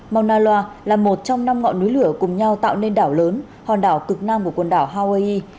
mauna loa là một trong năm ngọn núi lửa cùng nhau tạo nên đảo lớn hòn đảo cực nam của quần đảo hawaii